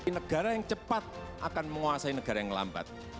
negara yang cepat akan menguasai negara yang lambat